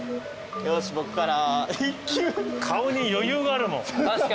よし僕から。